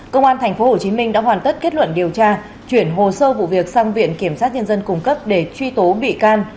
công an tp hcm đã hoàn tất kết luận điều tra chuyển hồ sơ vụ việc sang viện kiểm sát nhân dân cung cấp để truy tố bị can